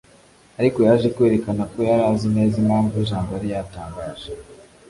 Ariko yaje kwerekana ko yari azi neza impamvu y’ijambo yari yatangaje